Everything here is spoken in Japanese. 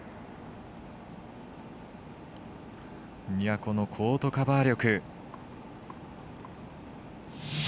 このコートカバー力。